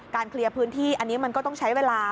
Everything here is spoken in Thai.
เคลียร์พื้นที่อันนี้มันก็ต้องใช้เวลา